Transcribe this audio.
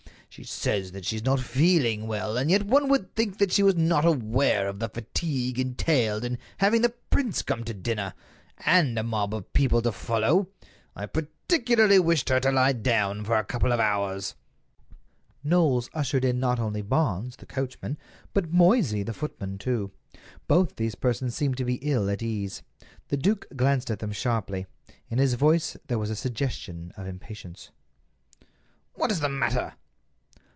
She says that she's not feeling well, and yet one would think that she was not aware of the fatigue entailed in having the prince come to dinner, and a mob of people to follow. I particularly wished her to lie down for a couple of hours." Knowles ushered in not only Barnes, the coachman, but Moysey, the footman, too. Both these persons seemed to be ill at ease. The duke glanced at them sharply. In his voice there was a suggestion of impatience. "What is the matter?"